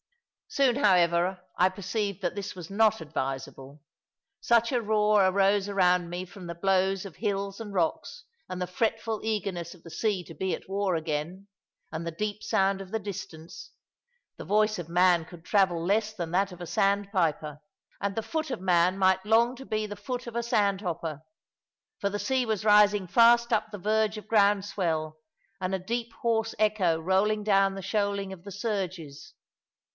Soon, however, I perceived that this was not advisable. Such a roar arose around me from the blows of hills and rocks, and the fretful eagerness of the sea to be at war again, and the deep sound of the distance the voice of man could travel less than that of a sandpiper, and the foot of man might long to be the foot of a sandhopper. For the sea was rising fast up the verge of ground swell, and a deep hoarse echo rolling down the shoaling of the surges.